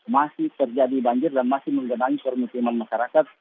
masih terjadi banjir dan masih menggenangi permukiman masyarakat